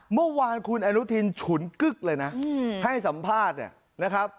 เมื่อวานคุณอนุทินฉุนกึ๊กเลยนะให้สัมภาษณ์เนี่ยนะครับ